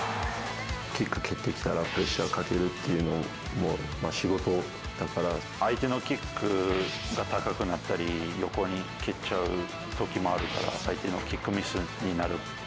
キック蹴ってきたらプレッシャーをかけるっていうの、仕事だから、相手のキックが高くなったり、横に蹴っちゃうときもあるから、相手のキックミスになる。